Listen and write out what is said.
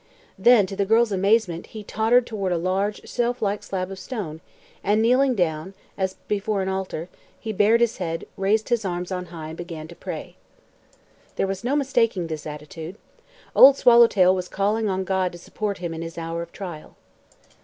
Then, to the girl's amazement, he tottered toward a large, shelf like slab of stone and kneeling down, as before an altar, he bared his head, raised his arms on high and began to pray. There was no mistaking this attitude. Old Swallowtail was calling on God to support him in this hour of trial.